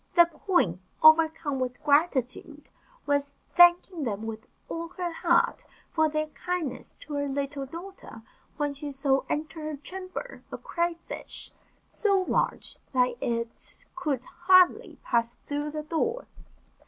The queen, overcome with gratitude, was thanking them with all her heart for their kindness to her little daughter, when she saw enter her chamber a cray fish, so large that it could hardly pass through the door.